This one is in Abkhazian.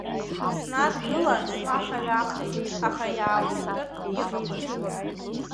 Снадгылан, слаха-ҩахеит, аха иаауртыртә иҟамызт.